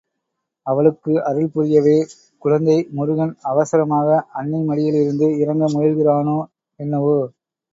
அவளுக்கு அருள் புரியவே குழந்தை முருகன் அவசரமாக அன்னை மடியிலிருந்து இறங்க முயல்கிறானோ என்னவோ.